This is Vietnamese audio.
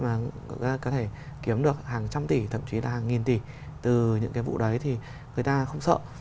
mà có thể kiếm được hàng trăm tỷ thậm chí là hàng nghìn tỷ từ những cái vụ đấy thì người ta không sợ